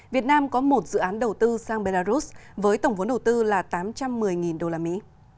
việt nam có một dự án đầu tư sang belarus với tổng vốn đầu tư là tám trăm một mươi đô la mỹ